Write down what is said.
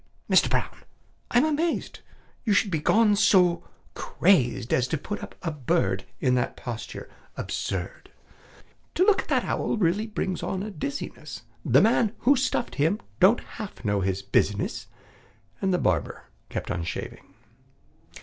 Mister Brown, I'm amazed You should be so gone crazed As to put up a bird In that posture absurd! To look at that owl really brings on a dizziness; The man who stuffed him don't half know his business!" And the barber kept on shaving.